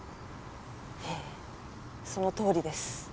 ええそのとおりです。